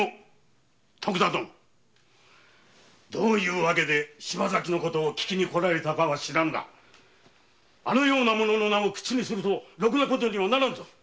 徳田殿どういう訳で柴崎の事を聞きに来られたかは知らぬがあのような者の名を口にするとロクな事にはならぬぞ。